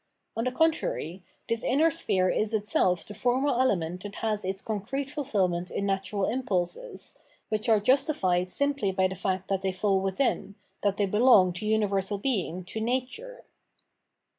On the contrary, this inner sphere is itself the formal element that has its concrete fulfilment in natural impulses, which are justified simply by the The Struggle of Enlightenment with Superstition 579 fact that they fall within, that they belong to universal being, to nature.